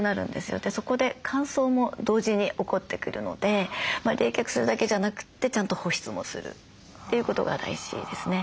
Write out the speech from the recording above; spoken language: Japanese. そこで乾燥も同時に起こってくるので冷却するだけじゃなくてちゃんと保湿もするということが大事ですね。